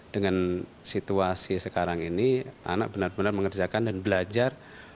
dengan situasi sekarang ini anak benar benar mengerjakan dan belajar